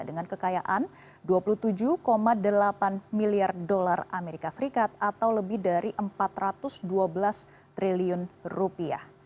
dengan kekayaan dua puluh tujuh delapan miliar dolar amerika serikat atau lebih dari empat ratus dua belas triliun rupiah